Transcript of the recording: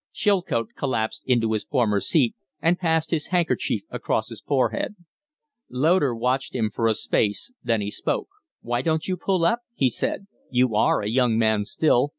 Chilcote collapsed into his former seat and passed his handkerchief across his forehead. Loder watched him for a space; then he spoke. "Why don't you pull up?" he said. "You are a young man still.